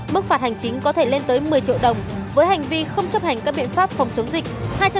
mức phạt hành chính có thể lên tới một mươi triệu đồng với hành vi không chấp hành các biện pháp phòng chống dịch